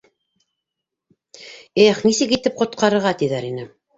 Эх, нисек итеп ҡотҡарырға?.. — тиҙәр ине.